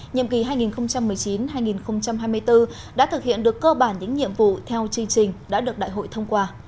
nhiệm kỳ hai nghìn một mươi chín hai nghìn hai mươi bốn đã thực hiện được cơ bản những nhiệm vụ theo chương trình đã được đại hội thông qua